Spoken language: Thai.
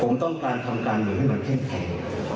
ผมต้องการทำการเมืองให้มันเข้มแข็ง